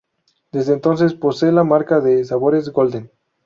Desde entonces, posee la marca de sabores Golden.